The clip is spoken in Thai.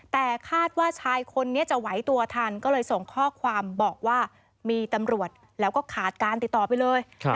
แต่คาดว่าชายคนนี้จะไหวตัวทันก็เลยส่งข้อความบอกว่ามีตำรวจแล้วก็ขาดการติดต่อไปเลย